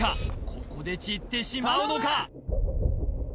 ここで散ってしまうのか？